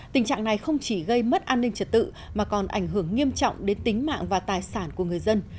tình trạng này không chỉ gây mất an ninh trật tự mà còn ảnh hưởng nghiêm trọng đến tính mạng và tài sản của người dân